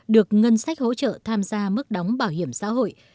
được ngân sách hỗ trợ tham gia mức đóng bảo hiểm xã hội